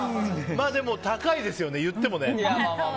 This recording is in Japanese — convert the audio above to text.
でも、高いですよね、言ってもね。